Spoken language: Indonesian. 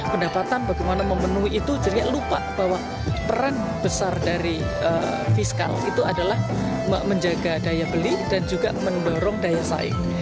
pendapatan bagaimana memenuhi itu jadi lupa bahwa peran besar dari fiskal itu adalah menjaga daya beli dan juga mendorong daya saing